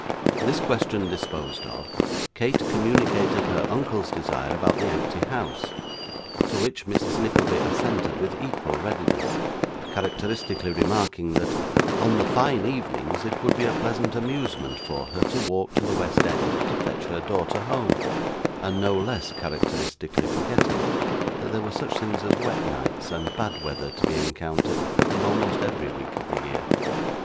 This question disposed of, Kate communicated her uncle's desire about the empty house, to which Mrs. Nickleby assented with equal readiness, characteristically remarking, that, on the fine evenings, it would be a pleasant amusement for her to walk to the West end to fetch her daughter home; and no less characteristically forgetting, that there were such things as wet nights and bad weather to be encountered in almost every week of the year.